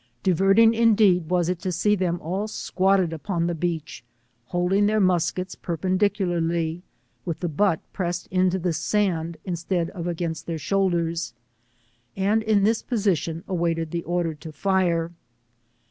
Diverting indeed was it to see them all squatted upon the beach, holding their muskets perpendicu larly, with the butt pressed upon the sand, instead of against their shoulders, and in this position awaiting the order to fire.